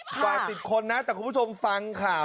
หวานสิบคนแต่ผมผู้ชมฟังข่าว